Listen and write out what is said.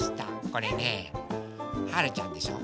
これねはるちゃんでしょ。